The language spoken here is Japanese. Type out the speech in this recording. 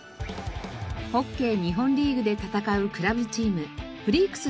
ホッケー日本リーグで戦うクラブチームフリークス